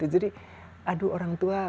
jadi aduh orang tua